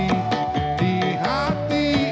dia yang mencintaimu